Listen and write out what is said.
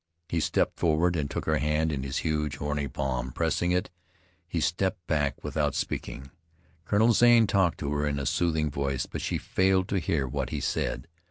He stepped forward, and took her hand in his huge, horny palm, pressing it, he stepped back without speaking. Colonel Zane talked to her in a soothing voice; but she failed to hear what he said.